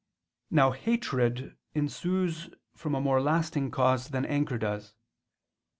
Now hatred ensues from a more lasting cause than anger does.